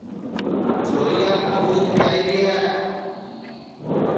چھوریا کُو دؔودھ پیائیری ہے